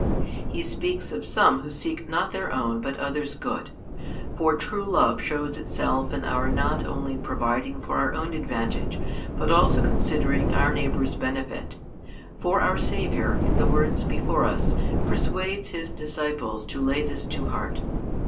He speaks of some who seek not their own but others' good. For true love shows itself in our not only providing for our own advantage but also considering our neighbour's benefit. For our Saviour, in the words before us, persuades His disciples to lay this to heart.